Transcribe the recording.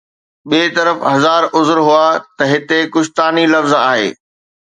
ٻئي طرف هزار عذر هئا ته هتي ڪشتاني لفظ آهي